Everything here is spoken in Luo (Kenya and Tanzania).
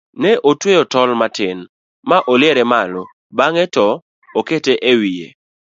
ne otweyo thol matin ma oliere malo bang'e to okete e wiye